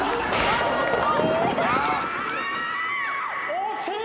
惜しい！？